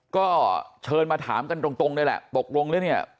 ก็เชิญมาถามกันตรงเลยแหละตกลงแล้วเนี่ย